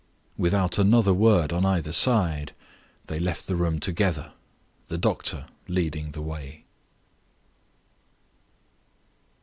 Without another word on either side, they left the room together the doctor leading the way.